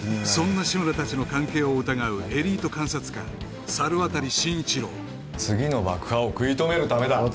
そんな志村たちの関係を疑うエリート監察官猿渡紳一郎次の爆破を食い止めるためだ